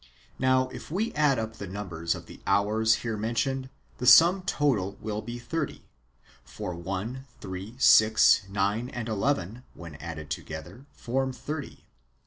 Now, if we add up the numbers of the hours here mentioned, the sum total wdll be thirty : for one, three, six, nine, and eleven, when added together, form thirty.